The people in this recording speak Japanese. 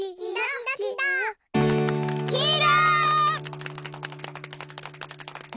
きいろ！